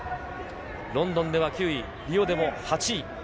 ロンドンでは９位、リオでも８位。